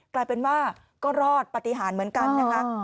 กลายเป็นว่าก็รอดปฏิหารเหมือนกันนะคะ